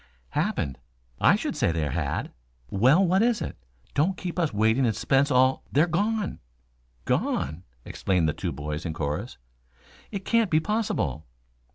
"Happened? I should say there had " "Well, what is it? Don't keep us waiting in suspense all " "They're gone!" "Gone?" exclaimed the two boys in chorus. "It can't be possible."